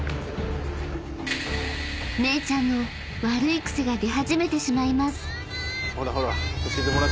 ［めいちゃんの悪い癖が出始めてしまいます］